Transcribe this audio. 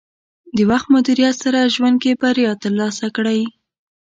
د وخت مدیریت سره ژوند کې بریا ترلاسه کړئ.